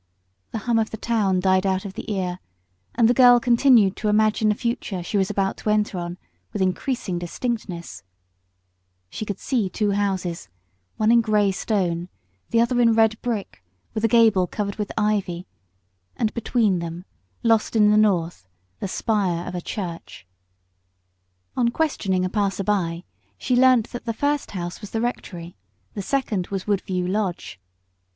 The hum of the town died out of the ear, and the girl continued to imagine the future she was about to enter on with increasing distinctness. Looking across the fields she could see two houses, one in grey stone, the other in red brick with a gable covered with ivy; and between them, lost in the north, the spire of a church. On questioning a passer by she learnt that the first house was the Rectory, the second was Woodview Lodge.